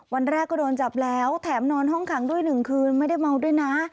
วันแรกก็โดนจับแล้วแถมนอนห้องขังด้วย๑คืนไม่ได้เมาด้วยนะ